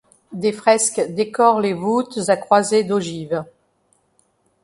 Des fresques décorent les voûtes à croisée d'ogives.